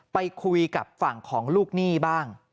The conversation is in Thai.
ไปคุยกับฝั่งของลูกหนี้บ้าง